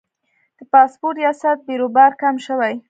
د پاسپورت ریاست بیروبار کم شوی؟